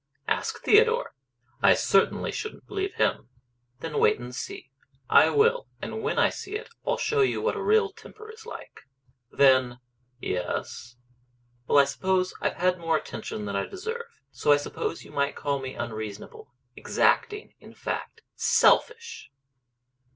"Ask Theodore." "I certainly shouldn't believe him." "Then wait and see." "I will; and when I see it I'll show you what a real temper is like." "Then " "Yes?" "Well, I suppose I've had more attention than I deserve. So I suppose you might call me unreasonable exacting in fact, selfish!"